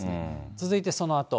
続いてそのあと。